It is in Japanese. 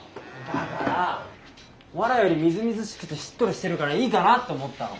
だから藁よりみずみずしくてしっとりしてるからいいかなって思ったの。